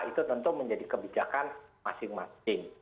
itu tentu menjadi kebijakan masing masing